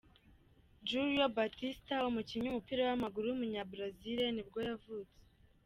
Julio Baptista, umukinnyi w’umupira w’amaguru w’umunyabrazil nibwo yavutse.